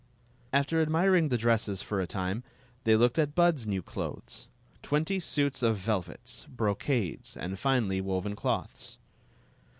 After admiring the dresses for a time, they looked at Bud s new clothes — twenty suits of velvets, bro cades, and finely woven cloths.